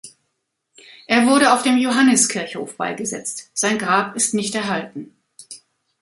Er wurde auf dem Johanniskirchhof beigesetzt; sein Grab ist nicht erhalten.